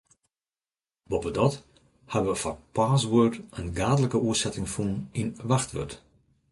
Boppedat ha we foar password in gaadlike oersetting fûn yn wachtwurd.